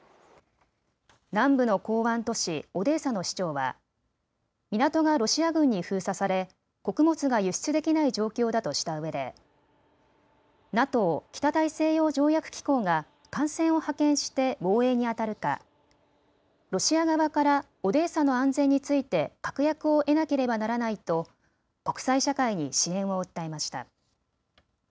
南部の港湾都市オデーサの市長は港がロシア軍に封鎖され穀物が輸出できない状況だとしたうえでＮＡＴＯ・北大西洋条約機構が艦船を派遣して防衛にあたるか、ロシア側からオデーサの安全について確約を得なければならないと国際社会に支援を訴えました。